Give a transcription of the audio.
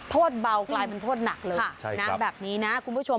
โทษเบากลายเป็นโทษหนักเลยนะแบบนี้นะคุณผู้ชม